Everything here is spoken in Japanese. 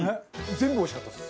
全部おいしかったです。